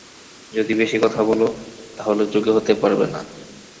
যদি বেশী কথা বল, তাহলে যোগী হতে পারবে না।